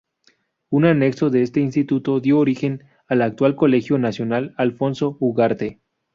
Un anexo de este Instituto dio origen al actual Colegio Nacional Alfonso Ugarte.